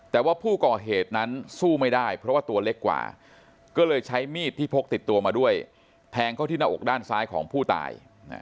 แต่ว่าผู้ก่อเหตุนั้นสู้ไม่ได้เพราะว่าตัวเล็กกว่าก็เลยใช้มีดที่พกติดตัวมาด้วยแทงเข้าที่หน้าอกด้านซ้ายของผู้ตาย